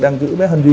đang giữ bé hân duy